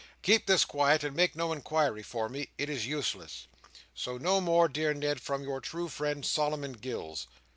Keep this quiet, and make no inquiry for me; it is useless. So no more, dear Ned, from your true friend, Solomon Gills.